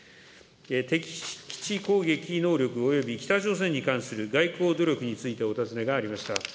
敵基地攻撃能力及び北朝鮮に関する外交努力についてお尋ねがありました。